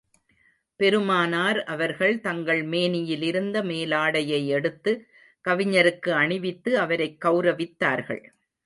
பெருமானார் அவர்கள் தங்கள் மேனியிலிருந்த மேலாடையை எடுத்து, கவிஞருக்கு அணிவித்து அவரைக் கெளரவித்தார்கள்.